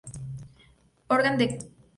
Organ der k.k.